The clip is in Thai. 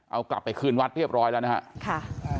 เอากลับไปคืนวัดเรียบร้อยแล้วนะครับ